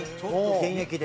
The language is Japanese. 現役で？